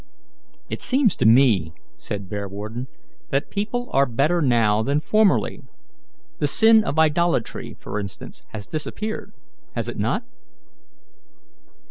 "It seems to me," said Bearwarden, "that people are better now than formerly. The sin of idolatry, for instance, has disappeared has it not?"